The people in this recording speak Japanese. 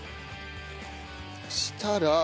そしたら。